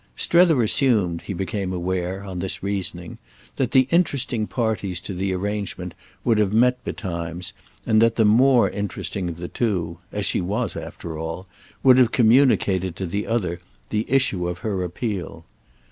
Strether assumed, he became aware, on this reasoning, that the interesting parties to the arrangement would have met betimes, and that the more interesting of the two—as she was after all—would have communicated to the other the issue of her appeal.